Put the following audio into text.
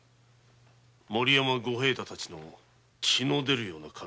森山五平太たちの血の出るような金を。